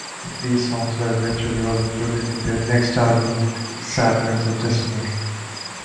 These songs were eventually all included on their next album, "Sad Wings of Destiny".